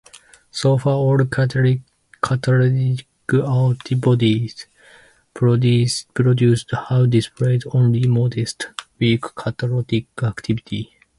So far, all catalytic antibodies produced have displayed only modest, weak catalytic activity.